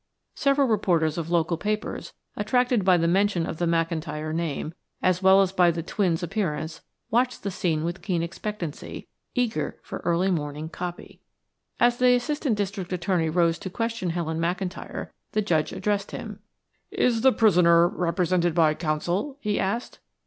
Several reporters of local papers, attracted by the mention of the McIntyre name, as well as by the twins' appearance, watched the scene with keen expectancy, eager for early morning "copy." As the Assistant District Attorney rose to question Helen McIntyre, the Judge addressed him. "Is the prisoner represented by counsel?" he asked.